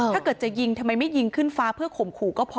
ถ้าเกิดจะยิงทำไมไม่ยิงขึ้นฟ้าเพื่อข่มขู่ก็พอ